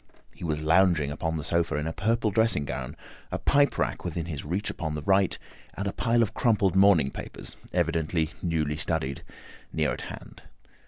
He was lounging upon the sofa in a purple dressing gown, a pipe rack within his reach upon the right, and a pile of crumpled morning papers, evidently newly studied, near at hand.